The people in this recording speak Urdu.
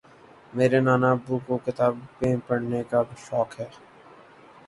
میرے نانا ابو کو کتابیں پڑھنے کا شوق ہے